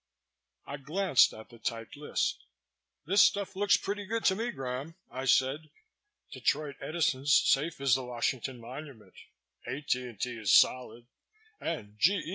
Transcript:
I glanced at the typed list. "This stuff looks pretty good to me, Graham," I said. "Detroit Edison's safe as the Washington Monument, A.T.&T. is solid, and G.E.